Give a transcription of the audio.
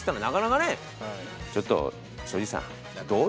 ちょっと庄司さんどう？